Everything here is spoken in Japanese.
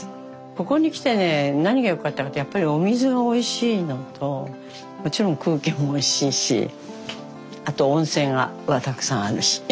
ここに来てね何が良かったかってやっぱりお水がおいしいのともちろん空気もおいしいしあと温泉がたくさんあるし。